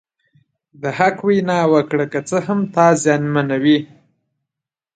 د حق وینا وکړه که څه هم تا زیانمنوي.